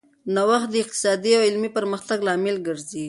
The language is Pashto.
نوښت د اقتصادي او علمي پرمختګ لامل ګرځي.